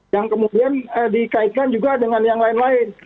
yang kemudian dikaitkan juga dengan yang lain lain